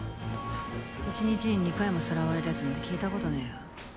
一日に２回もさらわれるやつなんて聞いたことねぇよ。